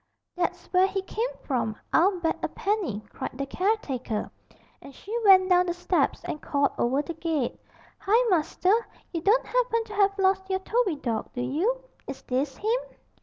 'That's where he come from, I'll bet a penny,' cried the caretaker, and she went down the steps and called over the gate, 'Hi, master, you don't happen to have lost your Toby dawg, do you? Is this him?'